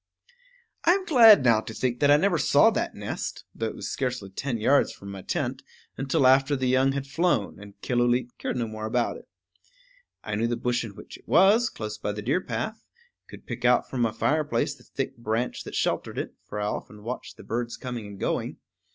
I am glad now to think that I never saw that nest, though it was scarcely ten yards from my tent, until after the young had flown, and Killooleet cared no more about it. I knew the bush in which it was, close by the deer path; could pick out from my fireplace the thick branch that sheltered it; for I often watched the birds coming and going.